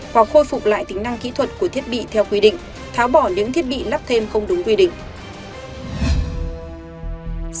hoặc khôi phục lại tính năng kỹ thuật của thiết bị theo quy định tháo bỏ những thiết bị lắp thêm không đúng quy định